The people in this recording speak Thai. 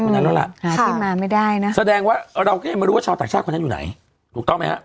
นั้นแล้วล่ะหาที่มาไม่ได้นะแสดงว่าเราก็ยังไม่รู้ว่าชาวต่างชาติคนนั้นอยู่ไหนถูกต้องไหมฮะ